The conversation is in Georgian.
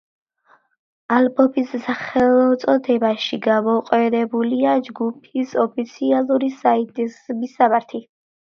ალბომის სახელწოდებაში გამოყენებულია ჯგუფის ოფიციალური საიტის მისამართი.